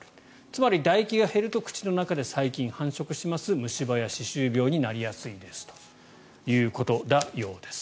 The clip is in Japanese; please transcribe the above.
つまり、だ液が減ると口の中で細菌が繁殖します虫歯や歯周病になりやすいですということのようです。